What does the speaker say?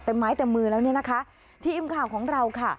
แต่ไม้เต็มมือแล้วเนี่ยนะคะทีมข่าวของเราค่ะ